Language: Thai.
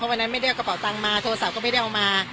วันนั้นไม่ได้เอากระเป๋าตังค์มาโทรศัพท์ก็ไม่ได้เอามา